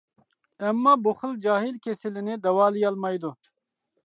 ئەمما بۇ خىل جاھىل كېسىلىنى داۋالىيالمايدۇ.